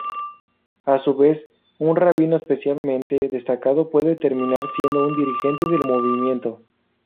A su vez, un Rabino especialmente destacado puede terminar siendo un dirigente del movimiento.